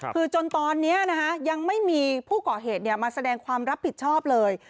คือจนตอนนี้ยังไม่มีผู้ก่อเหตุมาแสดงความรับผิดชอบเลย